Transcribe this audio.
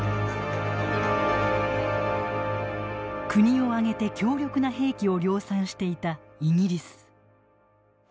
国を挙げて強力な兵器を量産していたイギリス。